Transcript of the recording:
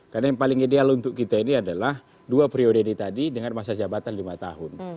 karena yang paling ideal untuk kita ini adalah dua priode ini tadi dengan masa jabatan lima tahun